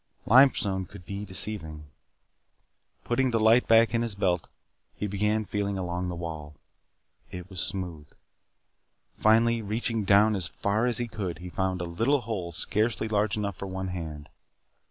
Limestone could be deceiving. Putting the light back in his belt, he began feeling along the wall. It was smooth. Finally, reaching down as far as he could, he found a little hole scarcely large enough for one hand.